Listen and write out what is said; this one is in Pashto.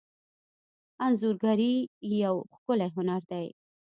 انځورګري یو ښکلی هنر دی.